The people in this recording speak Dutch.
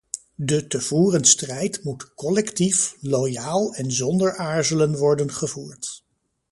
De te voeren strijd moet collectief, loyaal en zonder aarzelen worden gevoerd.